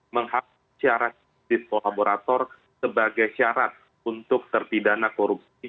menghakimi syarat di kolaborator sebagai syarat untuk terpidana korupsi